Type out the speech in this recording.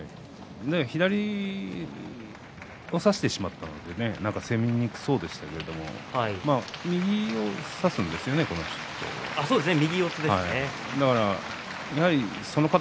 左を差してしまって攻めにくそうでしたけども右を差すんですね、この人。